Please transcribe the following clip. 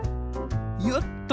よっと！